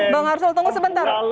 bang arsul tunggu sebentar